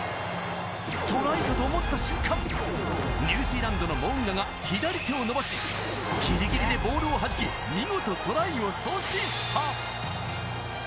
トライかと思った瞬間、ニュージーランドのモウンガが左手を伸ばし、ギリギリでボールをはじき、見事トライを阻止した。